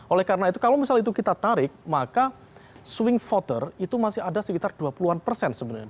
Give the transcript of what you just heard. oleh karena itu kalau misal itu kita tarik maka swing voter itu masih ada sekitar dua puluh an persen sebenarnya